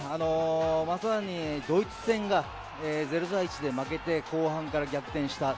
まさにドイツ戦が０対１で負けていて後半から逆転した。